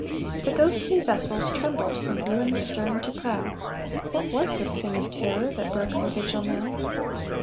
The ghostly vessels trembled From ruined stern to prow; What was this thing of terror That broke their vigil now?